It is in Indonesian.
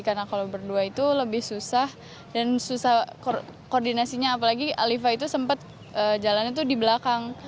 karena kalau berdua itu lebih susah dan susah koordinasinya apalagi alifa itu sempat jalannya di belakang